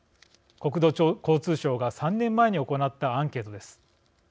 国土交通省が３年前に行ったアンケートです。